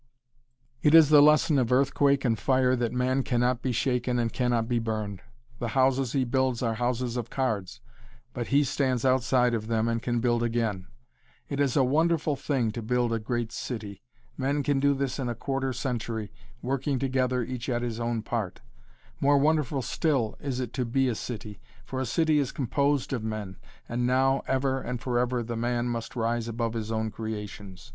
It is the lesson of earthquake and fire that man cannot be shaken and cannot be burned. The houses he builds are houses of cards, but he stands outside of them and can build again. It is a wonderful thing to build a great city. Men can do this in a quarter century, working together each at his own part. More wonderful still is it to be a city, for a city is composed of men, and now, ever and forever the man must rise above his own creations.